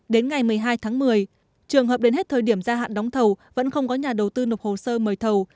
đến ngày một mươi hai tháng một mươi trường hợp đến hết thời điểm gia hạn đóng thầu vẫn không có nhà đầu tư nộp hồ sơ mời thầu